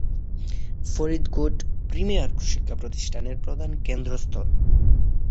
Faridkot premier শিক্ষাপ্রতিষ্ঠানের প্রধান কেন্দ্রস্থল।